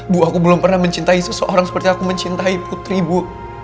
bu aku belum pernah mencintai seseorang seperti aku mencintai putri bu